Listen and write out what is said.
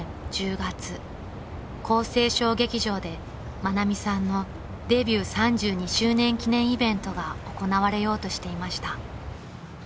［愛美さんのデビュー３２周年記念イベントが行われようとしていました］